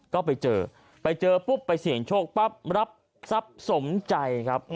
ก็ไปเจอไปเจอปุ๊บไปเสี่ยงโชคปั๊บรับทรัพย์สมใจครับ